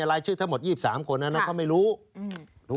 รายชื่อ๒๓คนอันนั้นก็ไม่รู้